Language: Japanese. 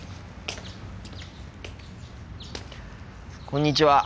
こんにちは。